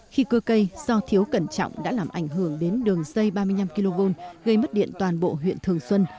khi cưa cây do thiếu cẩn trọng đã làm ảnh hưởng đến đường dây ba mươi năm kv gây mất điện toàn bộ huyện thường xuân